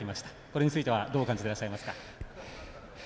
これについてはどう感じていらっしゃいますか？